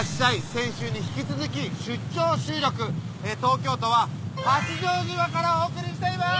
先週に引き続き東京都は八丈島からお送りしています！